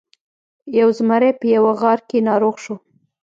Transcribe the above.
یو زمری په یوه غار کې ناروغ شو.